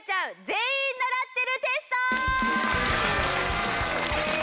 全員習ってるテスト！